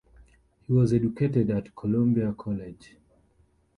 He was educated at Columbia College.